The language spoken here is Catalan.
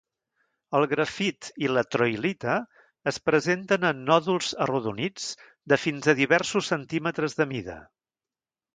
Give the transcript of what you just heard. El grafit i la troilita es presenten en nòduls arrodonits de fins a diversos centímetres de mida.